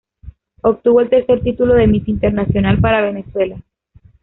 Obtuvo el tercer título de "Miss Internacional" para Venezuela.